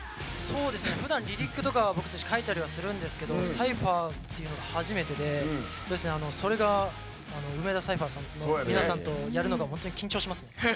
ふだん、リリックとか書いたりするんですけどサイファーって初めてでそれが梅田サイファーの皆さんとやるのが本当に緊張しますね。